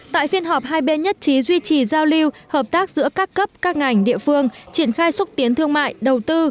tại phiên họp hai bên nhất trí duy trì giao lưu hợp tác giữa các cấp các ngành địa phương triển khai xúc tiến thương mại đầu tư